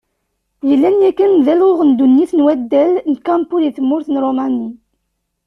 Yellan yakan d alɣuɣ n ddunit n waddal n Kempo deg tmurt n Rumani.